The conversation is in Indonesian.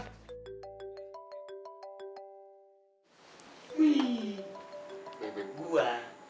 wih bebek gua